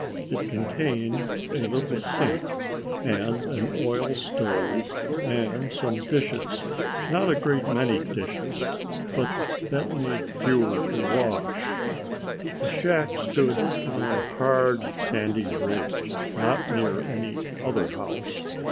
It contained a little sink and an oil stove and some dishes,—not a great many dishes, but that made fewer to wash. The shack stood on a hard sandy ridge, not near any other house.